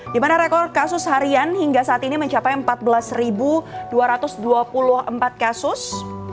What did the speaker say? di mana rekor kasus harian hingga saat ini mencapai empat belas dua ratus dua puluh empat kasus